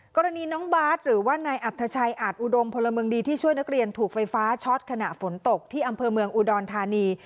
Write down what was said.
กรณีน้องบาทหรือว่านายอัธชัยอาจอุดมพลเมืองดีที่ช่วยนักเรียนถูกไฟฟ้าช็อตขณะฝนตกที่อำเภอเมืองอุดรธานี